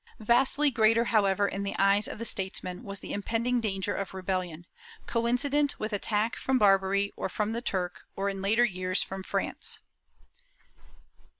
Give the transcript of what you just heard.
* Vastly greater, however, in the eyes of statesmen, was the impend ing danger of rebellion, coincident with attack from Barbary or from the Turk or, in later years, from France.